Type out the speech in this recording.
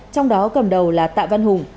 trong đó cầm đầu là tạ văn hùng